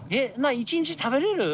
一日食べれる？